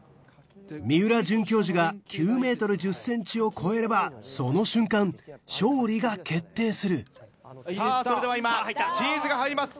三浦准教授が９ｍ１０ｃｍを超えればその瞬間勝利が決定するそれでは今チーズが入ります。